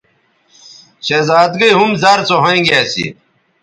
شہزادی ھم زر سو ھوینگے اسی